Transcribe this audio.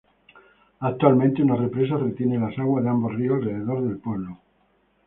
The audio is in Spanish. Actualmente una represa retiene las aguas de ambos ríos alrededor del pueblo.